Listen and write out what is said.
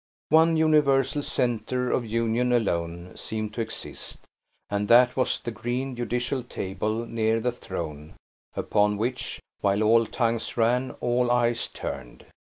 One universal centre of union alone seemed to exist, and that was the green, judicial table near the throne, upon which, while all tongues ran, all eyes turned.